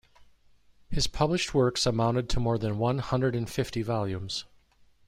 His published works amounted to more than one hundred and fifty volumes.